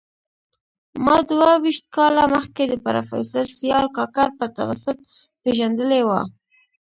ما دوه ویشت کاله مخکي د پروفیسر سیال کاکړ په توسط پېژندلی و